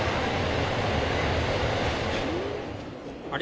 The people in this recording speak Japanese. あれ？